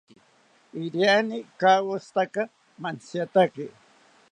Iriani ikawoshitaka mantziataki